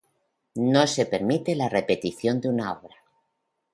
No se permite la repetición de una obra.